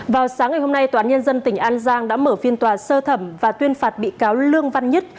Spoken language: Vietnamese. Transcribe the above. vào sáng ngày hôm nay toán nhân dân tỉnh an giang đã mở phiên tòa sơ thẩm và tuyên phạt bị cáo lương văn nhất